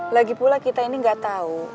lagipula kita ini gak tau